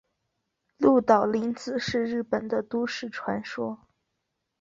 鹿岛零子是日本的都市传说。